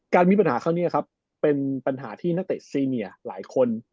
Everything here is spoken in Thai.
มีปัญหาครั้งนี้ครับเป็นปัญหาที่นักเตะซีเมียหลายคน